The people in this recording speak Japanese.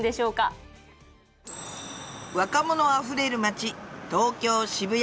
若者あふれる街東京渋谷